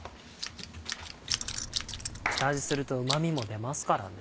下味するとうま味も出ますからね。